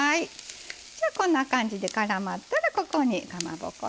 こんな感じでからまったらここにかまぼこ入れます。